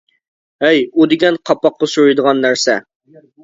ھەي ئۇ دېگەن قاپاققا سۈرىدىغان نەرسە.